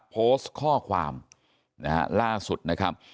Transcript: โพสต์ข้อความนะฮะล่าสุดนะครับ